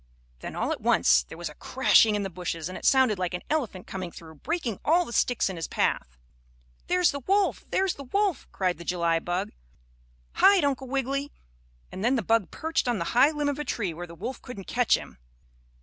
Then, all at once there was a crashing in the bushes and it sounded like an elephant coming through, breaking all the sticks in his path. "There's the wolf! There's the wolf!" cried the July bug. "Hide, Uncle Wiggily," and then the bug perched on the high limb of a tree where the wolf couldn't catch him.